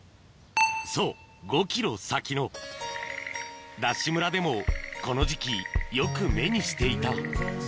そう５ｋｍ先のＤＡＳＨ村でもこの時期よく目にしていた・